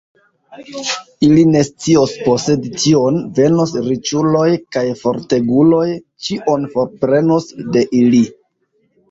Ili ne scios posedi tion; venos riĉuloj kaj forteguloj, ĉion forprenos de ili.